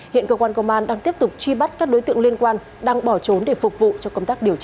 hiện cơ quan công an đang tiếp tục truy bắt các đối tượng liên quan đang bỏ trốn để phục vụ cho công tác điều tra